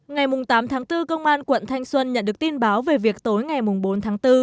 ngày tám tháng bốn công an quận thanh xuân nhận được tin báo về việc tối ngày bốn tháng bốn